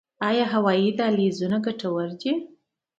آیا هوایي دهلیزونه ګټور وو؟